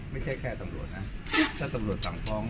ไม่ใช่แค่ตำรวจนะถ้าตำรวจสั่งฟ้อง